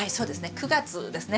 ９月ですね。